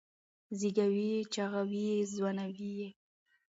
زېږوي یې چاغوي یې ځوانوي یې